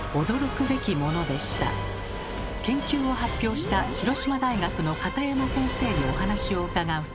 研究を発表した広島大学の片山先生にお話を伺うと。